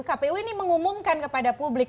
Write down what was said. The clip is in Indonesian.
kpu ini mengumumkan kepada publik